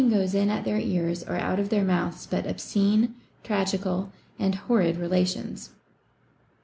oes m a^ their ears or out of their mouths but obscene, tragical, and horrid relations.